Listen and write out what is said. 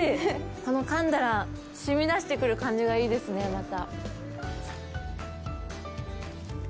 この、かんだらしみ出してくる感じがいいですね、また。